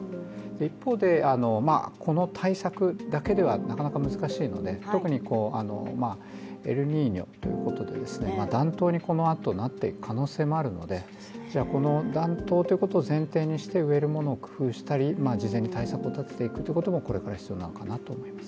一方でこの対策だけではなかなか難しいので特にエルニーニョということで暖冬にこのあとなっていく可能性もあるのでこの暖冬ということを前提にして植えるものを工夫したり事前に対策を取っていくということもこれから大切なのかなと思います。